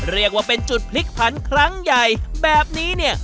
เรียกว่าเป็นจุดพลิกผันครั้งใหญ่แบบนี้เนี่ย